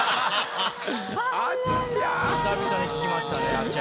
久々に聞きましたね「あちゃ」。